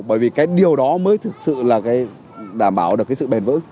bởi vì cái điều đó mới thực sự là cái đảm bảo được cái sự bền vững